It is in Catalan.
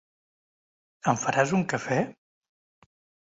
Em faràs un cafè?